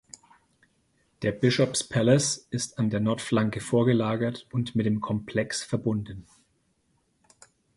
Der Bishop’s Palace ist an der Nordflanke vorgelagert und mit dem Komplex verbunden.